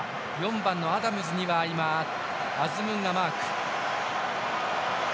４番のアダムズには今、アズムンがマーク。